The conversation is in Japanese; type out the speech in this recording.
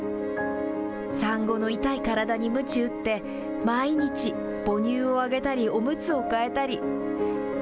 産後の痛い体にむち打って、毎日母乳をあげたり、おむつを替えたり。